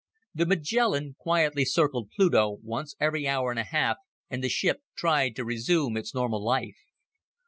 The Magellan quietly circled Pluto once every hour and a half and the ship tried to resume its normal life.